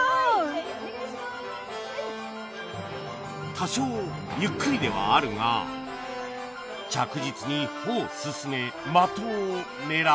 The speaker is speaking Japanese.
多少ゆっくりではあるが着実に歩を進め的を狙う！